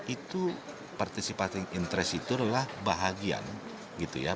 itu participating interest itu adalah bahagia